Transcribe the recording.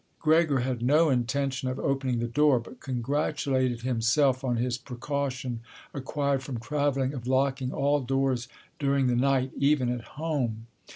Gregor had no intention of opening the door, but congratulated himself on his precaution, acquired from travelling, of locking all doors during the night, even at home.